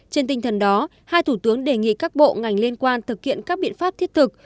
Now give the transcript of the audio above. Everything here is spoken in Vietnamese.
trên tinh thần đó hai thủ tướng đề nghị các bộ ngành liên quan thực hiện các biện pháp thiết thực